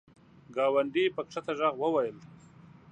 ګاونډي په کښته ږغ وویل !